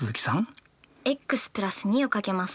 ｘ＋２をかけます。